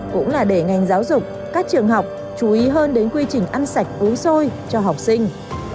cũng là để ngành giáo dục các trường học chú ý hơn đến quy trình ăn sạch uống xôi cho học sinh